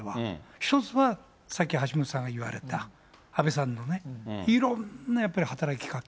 一つはさっき橋下さんが言われた安倍さんのね、いろんなやっぱり働きかけ。